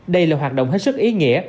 đây là hoạt động hết sức ý nghĩa